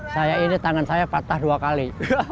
saya ini tangan saya patah dua kali